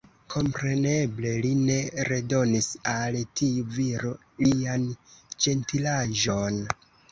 Kompreneble li ne redonis al tiu viro lian ĝentilaĵon.